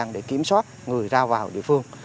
để kiểm soát người ra vào địa phương